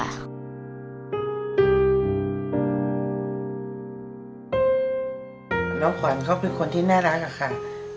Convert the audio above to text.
กว่านเขาเป็นคนที่แน่ลักค่ะ